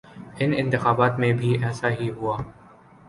ان انتخابات میں بھی ایسا ہی ہوا۔